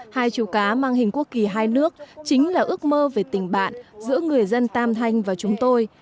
hai chú cá mang hình quốc kỳ hai nước chính là ước mơ về tình bạn giữa người dân tam thanh và chúng tôi